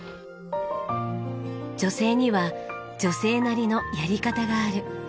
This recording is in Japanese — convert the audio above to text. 女性には女性なりのやり方がある。